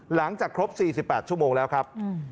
หลังจากครบ๔๘ชั่วโมงแล้วครับ